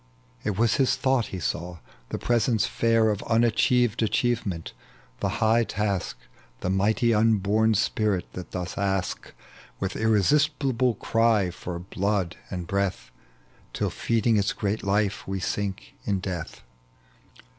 It was his thought he saw : the presence fair .tec bv Google 18 THE LEGEND OF JOBAL. Of unachieved achievement, the high task, The mighty unborn spirit that doth ask With irresistible cry for blood and breath, Till feeding its great life wo sink in deatb.